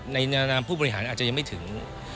ในนานามผู้บริหารอาจจะยังไม่ถึง